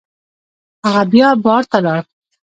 هغه بیا بار ته لاړ.